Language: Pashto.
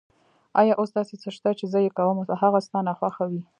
آیا اوس داسې څه شته چې زه یې کوم او هغه ستا ناخوښه وي؟